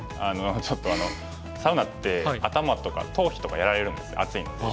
ちょっとサウナって頭とか頭皮とかやられるんですよ暑いので。